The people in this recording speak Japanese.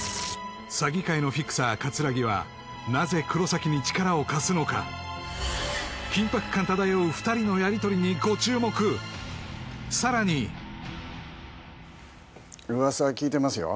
詐欺界のフィクサー桂木はなぜ黒崎に力を貸すのか緊迫感漂う２人のやりとりにご注目さらに噂は聞いてますよ